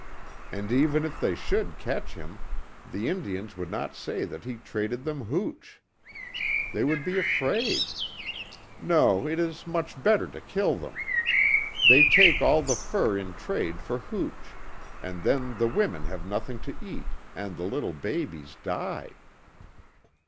And even if they should catch him, the Indians would not say that he traded them hooch. They would be afraid. No, it is much better to kill them. They take all the fur in trade for hooch, and then the women have nothing to eat, and the little babies die."